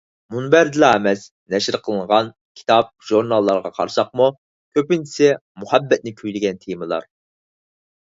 مۇنبەردىلا ئەمەس، نەشر قىلىنغان كىتاب-ژۇرناللارغا قارىساقمۇ، كۆپىنچىسى مۇھەببەتنى كۈيلىگەن تېمىلار.